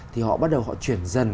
thì họ bắt đầu họ chuyển dần